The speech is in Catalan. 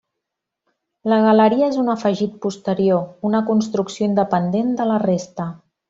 La galeria és un afegit posterior, una construcció independent de la resta.